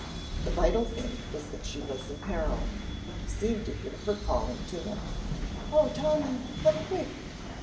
The vital thing was that she was in peril, he seemed to hear her calling to him, "Oh, Tommy, come quick!